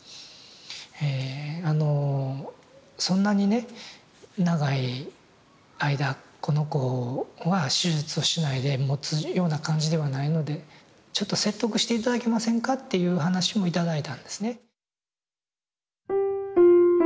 えあのそんなにね長い間この子は手術をしないでもつような感じではないのでちょっと説得して頂けませんかっていう話も頂いたんですね。